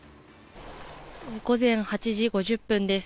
午前８時５０分です。